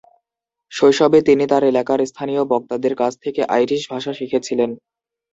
শৈশবে তিনি তার এলাকার স্থানীয় বক্তাদের কাছ থেকে আইরিশ ভাষা শিখেছিলেন।